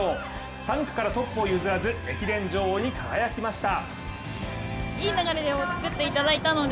３区からトップを譲らず駅伝女王に輝きました。